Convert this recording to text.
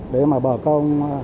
để mà bờ con